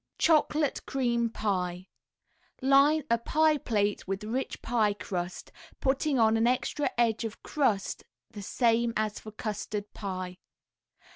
CHOCOLATE CREAM PIE Line a pie plate with rich pie crust, putting on an extra edge of crust the same as for custard pie.